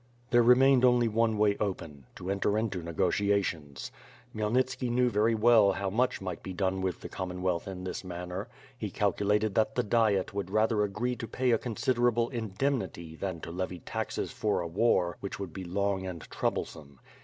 There remained only one way open. To enter into nego tiations. Khmyelnitski knew very well how much might be done with the Commonwealth in this manner. He calcu lated that the Diet would rather agree to pay a considerable indemnity than to levy taxes for a war which would be long and troublesome.